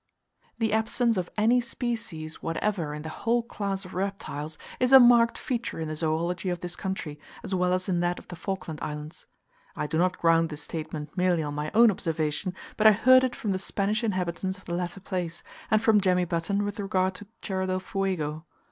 The absence of any species whatever in the whole class of Reptiles, is a marked feature in the zoology of this country, as well as in that of the Falkland Islands. I do not ground this statement merely on my own observation, but I heard it from the Spanish inhabitants of the latter place, and from Jemmy Button with regard to Tierra del Fuego.